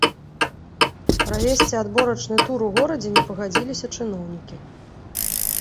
Правесці адборачны тур у горадзе не пагадзіліся чыноўнікі.